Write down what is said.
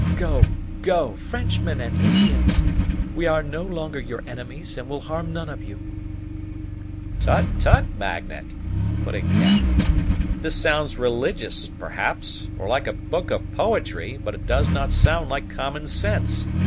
Go, go, Frenchmen and Indians! We are no longer your enemies, and will harm none of you." "Tut, tut, Magnet!" put in Cap; "this sounds religious, perhaps, or like a book of poetry; but it does not sound like common sense.